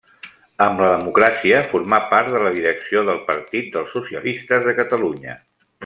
Amb la democràcia formà part de la direcció del Partit dels Socialistes de Catalunya.